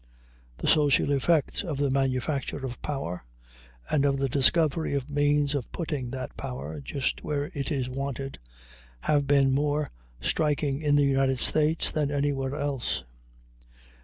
The social effects of the manufacture of power, and of the discovery of means of putting that power just where it is wanted, have been more striking in the United States than anywhere else.